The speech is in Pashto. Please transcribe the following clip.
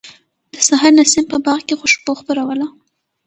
د سحر نسیم په باغ کې خوشبو خپروله.